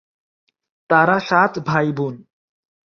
তারা সাত ভাইবোন।